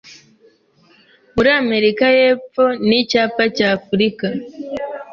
muri Amerika y'Epfo ni Icyapa cya Afurika